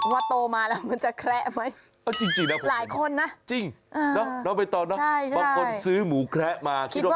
กลัวโตมาแล้วมันจะแคระไหม